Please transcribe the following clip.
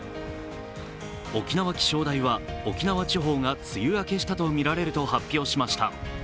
沖縄気象台は沖縄地方が梅雨明けしたとみられると発表しました。